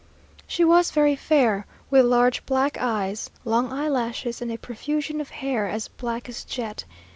She was very fair, with large black eyes, long eyelashes, and a profusion of hair as black as jet.